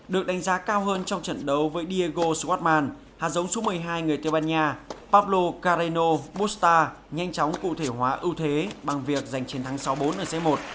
được đánh giá cao hơn trong trận đấu với diego swatman hạt giống số một mươi hai người tây ban nha paplo careno busta nhanh chóng cụ thể hóa ưu thế bằng việc giành chiến thắng sáu bốn ở c một